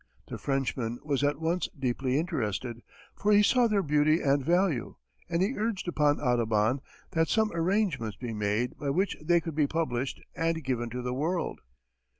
The Frenchman was at once deeply interested, for he saw their beauty and value, and he urged upon Audubon that some arrangement be made by which they could be published and given to the world.